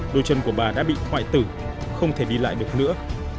đôi chân của bà đã bị hoại tử không thể đi lại được nữa